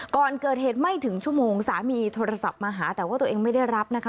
ก่อนเกิดเหตุไม่ถึงชั่วโมงสามีโทรศัพท์มาหาแต่ว่าตัวเองไม่ได้รับนะคะ